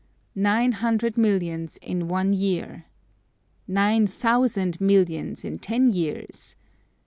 Nine hundred millions in one year. Nine thousand millions in ten years.